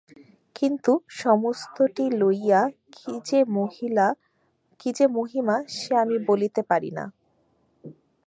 কিন্তু, সমস্তটি লইয়া কী যে মহিমা সে আমি বলিতে পারি না।